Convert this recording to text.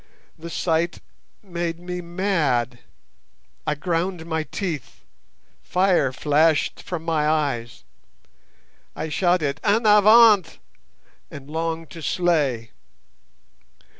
The sight made me mad. I ground my teeth! Fire flashed from my eyes! I shouted 'En avant!' and longed to slay.